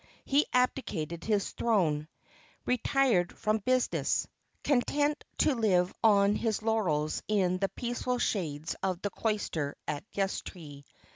He abdicated his throne, "retired from business," content to live on his laurels in the peaceful shades of the Cloister at Yustee.